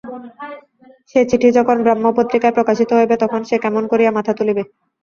সে চিঠি যখন ব্রাহ্ম-পত্রিকায় প্রকাশিত হইবে তখন সে কেমন করিয়া মাথা তুলিবে?